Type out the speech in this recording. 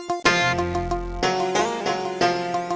aku mau ke sana